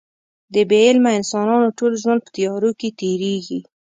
د بې علمه انسانانو ټول ژوند په تیارو کې تېرېږي.